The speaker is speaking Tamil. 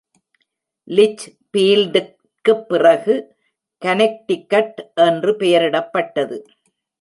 லிட்ச்பீல்டிற்கு பிறகு கனெக்டிகட் என்று பெயரிடப்பட்டது.